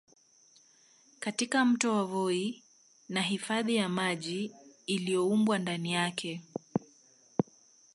Katika Mto Voi na hifadhi ya maji iliyoumbwa ndani yake